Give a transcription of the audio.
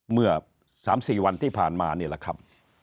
เมื่อ๓๔วันที่ผ่านมานี่แหละครับ